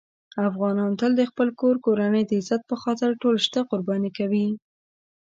افغانان تل د خپل کور کورنۍ د عزت په خاطر ټول شته قرباني کوي.